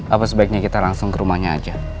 apa sebaiknya kita langsung ke rumahnya aja